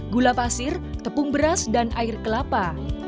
gula pasir tepung beras dan air kelapa